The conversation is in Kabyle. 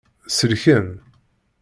Selken.